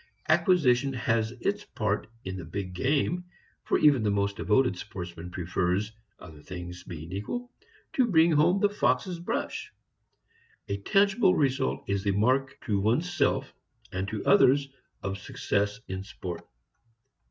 Acquisition has its part in the big game, for even the most devoted sportsman prefers, other things being equal, to bring home the fox's brush. A tangible result is the mark to one's self and to others of success in sport.